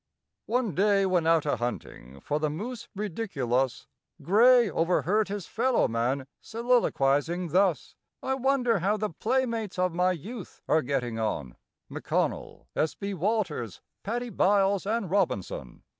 One day, when out a hunting for the mus ridiculus, GRAY overheard his fellow man soliloquizing thus: "I wonder how the playmates of my youth are getting on, M'CONNELL, S. B. WALTERS, PADDY BYLES, and ROBINSON?"